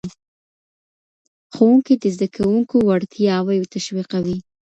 ښوونکی د زدهکوونکو وړتیاوې تشویقوي.